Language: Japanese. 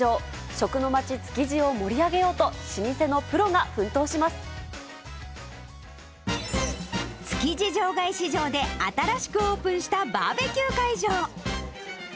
食の街、築地を盛り上げようと、築地場外市場で新しくオープンしたバーベキュー会場。